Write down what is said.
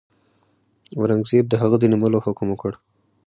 اورنګزېب د هغه د نیولو حکم وکړ.